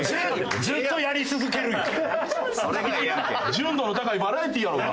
純度の高いバラエティやろうが！